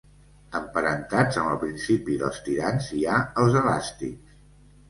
Emparentats amb el principi dels tirants hi ha els elàstics.